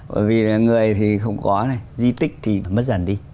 bởi vì người thì không có di tích thì mất dần đi